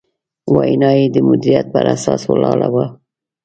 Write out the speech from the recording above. وینا یې د مدیریت په اساس ولاړه وه.